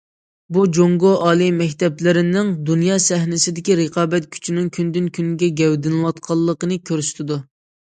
بۇ، جۇڭگو ئالىي مەكتەپلىرىنىڭ دۇنيا سەھنىسىدىكى رىقابەت كۈچىنىڭ كۈندىن كۈنگە گەۋدىلىنىۋاتقانلىقىنى كۆرسىتىدۇ.